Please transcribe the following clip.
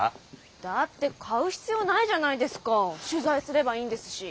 だって買う必要ないじゃないですか取材すればいいんですし。